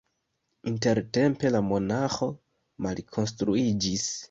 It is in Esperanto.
Intertempe la monaĥo malkonstruiĝis.